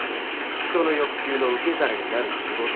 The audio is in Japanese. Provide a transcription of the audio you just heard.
人の欲求の受け皿になる仕事ってことだ